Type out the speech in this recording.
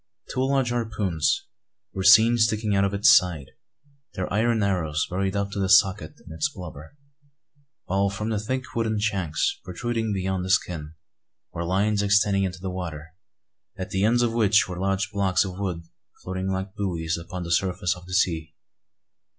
Two large harpoons were seen sticking out of its side, their iron arrows buried up to the socket in its blubber; while from the thick wooden shanks, protruding beyond the skin, were lines extending into the water, at the ends of which were large blocks of wood floating like buoys upon the surface of the sea.